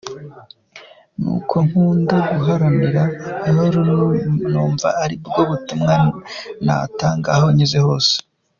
Nk’uko nkunda guharanira amahoro numva ari bwo butumwa natanga aho nyuze hose.